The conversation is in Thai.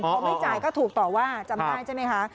พอไม่จ่ายก็ถูกต่อว่าจำได้ใช่ไหมคะ